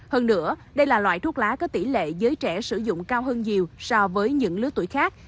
hơn nữa đây là loại thuốc lá có tỷ lệ giới trẻ sử dụng cao hơn nhiều so với những lứa tuổi khác